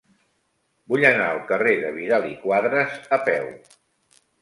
Vull anar al carrer de Vidal i Quadras a peu.